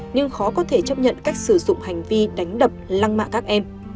nhưng khó có thể chấp nhận cách sử dụng hành vi đánh đập lăng mạ các em